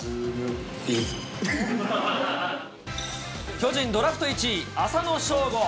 巨人ドラフト１位、浅野翔吾。